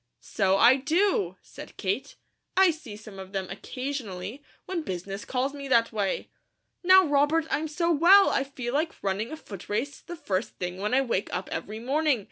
"So I do!" said Kate. "I see some of them occasionally, when business calls me that way. Now, Robert, I'm so well, I feel like running a footrace the first thing when I wake up every morning.